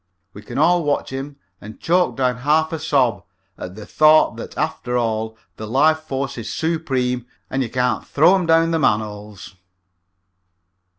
We can all watch him and choke down half a sob at the thought that after all the Life Force is supreme and you can't throw 'em down the manholes.